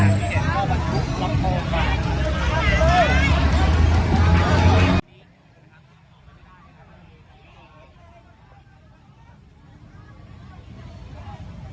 อันนี้ก็มันถูกประโยชน์ก่อน